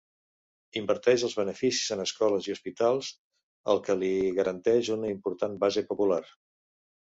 Inverteix els beneficis en escoles i hospitals, el que li garanteix una important base popular.